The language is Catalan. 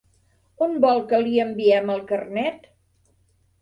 On vol que li enviem el carnet?